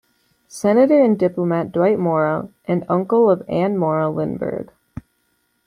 Senator and Diplomat Dwight Morrow and uncle of Anne Morrow Lindbergh.